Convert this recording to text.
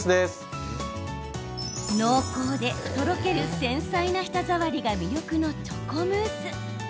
濃厚で、とろける繊細な舌触りが魅力のチョコムース。